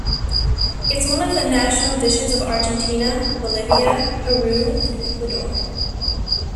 It's one of the national dishes of Argentina, Bolivia, Peru and Ecuador.